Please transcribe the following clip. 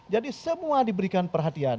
jadi semua diberikan perhatian